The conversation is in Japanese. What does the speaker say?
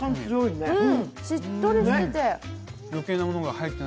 しっとりしてて。